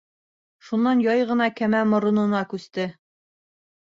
Шунан яй ғына кәмә моронона күсте.